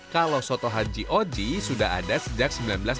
kalau soto haji oji sudah ada sejak seribu sembilan ratus delapan puluh